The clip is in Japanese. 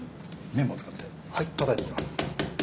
麺棒を使ってたたいていきます。